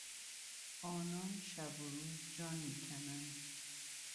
آنان شب و روز جان میکنند.